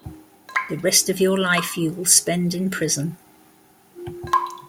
The rest of your life you will spend in prison.